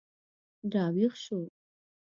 راویښ شو